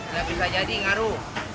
tidak bisa jadi ngaruh